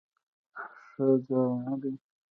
ښه ځای نه دی؟